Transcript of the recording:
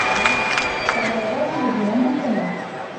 كان أداؤه جديراً بالثناء.